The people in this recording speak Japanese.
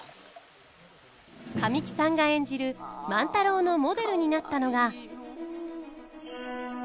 神木さんが演じる万太郎のモデルになったのが。